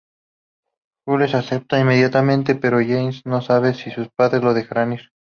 Jules acepta inmediatamente, pero Jess no sabe si sus padres la dejarán ir.